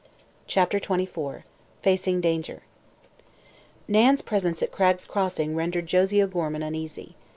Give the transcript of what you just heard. CHAPTER XXIV FACING DANGER Nan's presence at Cragg's Crossing rendered Josie O'Gorman uneasy.